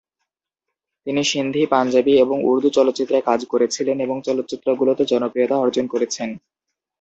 তিনি সিন্ধি, পাঞ্জাবি এবং উর্দু চলচ্চিত্রে কাজ করেছিলেন এবং চলচ্চিত্রগুলোতে জনপ্রিয়তা অর্জন করেছেন।